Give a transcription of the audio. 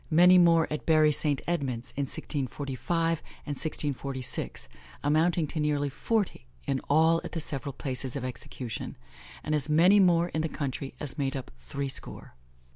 Many more at Bury St. Edmunds, in 1645 and 1646, amounting to nearly forty in all at the several places of execution, and as many more in the country as made up threescore.